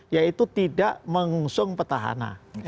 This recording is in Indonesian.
yaitu tidak mengusung petahana